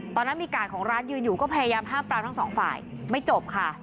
ตอนนั้นมีกาดของร้านยืนอยู่ก็พยายามห้ามปรามทั้งสองฝ่ายไม่จบค่ะ